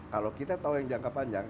kalau kita tahu yang jangka panjang